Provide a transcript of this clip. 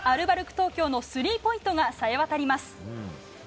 東京のスリーポイントがさえ渡ります。